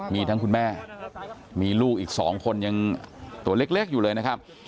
มีทั้งคุณแม่มีลูกอีก๒คนยังตัวเล็กอยู่เลยนะครับ